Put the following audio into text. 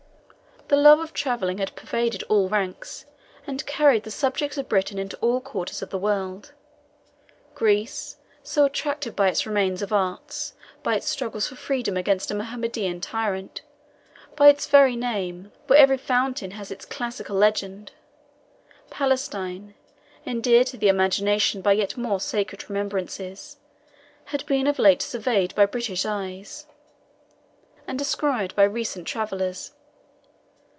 The love of travelling had pervaded all ranks, and carried the subjects of Britain into all quarters of the world. Greece, so attractive by its remains of art, by its struggles for freedom against a Mohammedan tyrant, by its very name, where every fountain had its classical legend Palestine, endeared to the imagination by yet more sacred remembrances had been of late surveyed by British eyes, and described by recent travellers.